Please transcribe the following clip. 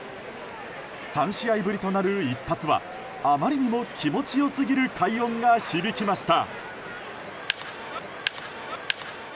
３試合ぶりとなる一発はあまりにも気持ち良すぎる快音が響きました。